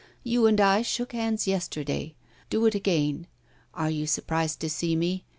You and I shook hands yesterday. Do it again. Are you surprised to see me?